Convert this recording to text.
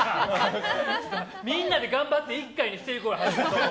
みんなで頑張って１回にしていこう！